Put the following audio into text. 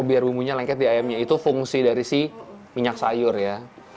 biar bumbunya lengket di ayamnya itu fungsi dari si minyak sayur ya